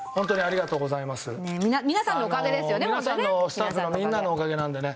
スタッフのみんなのおかげなんでね